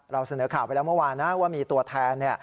เราเสนอข่าวไปแล้วเมื่อวานนะว่ามีตัวแทน